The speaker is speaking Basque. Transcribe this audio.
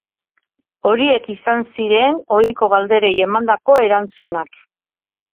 Horiek izan ziren ohiko galderei emandako erantzunak.